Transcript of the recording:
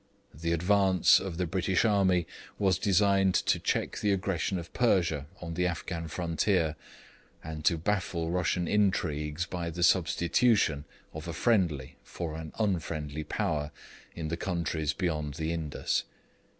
'The advance of the British army was designed to check the aggression of Persia on the Afghan frontier, and to baffle Russian intrigues by the substitution of a friendly for an unfriendly Power in the countries beyond the Indus.